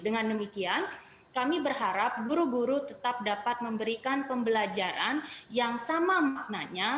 dengan demikian kami berharap guru guru tetap dapat memberikan pembelajaran yang sama maknanya